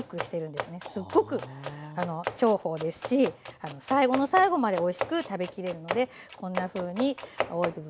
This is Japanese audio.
すっごく重宝ですし最後の最後までおいしく食べきれるのでこんなふうに青い部分を小口切りにします。